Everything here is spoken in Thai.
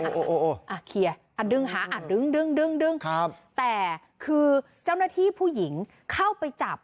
อ่าอ่าเขียนอ่าดึงหาอ่าดึงดึงดึงครับแต่คือเจ้าหน้าที่ผู้หญิงเข้าไปจับ